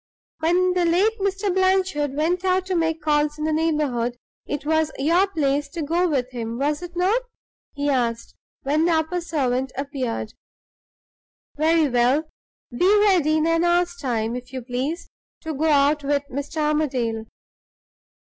"When the late Mr. Blanchard went out to make calls in the neighborhood, it was your place to go with him, was it not?" he asked, when the upper servant appeared. "Very well. Be ready in an hour's time, if you please, to go out with Mr. Armadale."